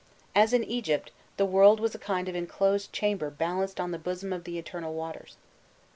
As in Egypt, the world was a kind of enclosed chamber balanced on the bosom of the eternal waters.